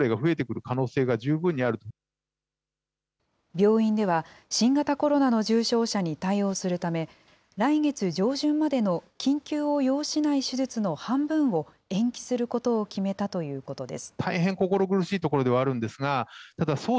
病院では、新型コロナの重症者に対応するため、来月上旬までの緊急を要しない手術の半分を延期することを決めたということです。